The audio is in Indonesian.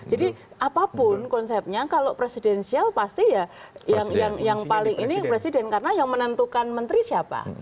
jadi apapun konsepnya kalau presidensial pasti ya yang paling ini presiden karena yang menentukan menteri siapa